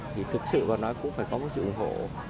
thì thực sự vào đó cũng phải có một sự ủng hộ